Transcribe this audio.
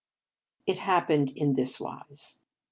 It happened in this wise.